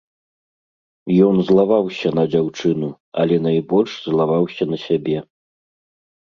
Ён злаваўся на дзяўчыну, але найбольш злаваўся на сябе.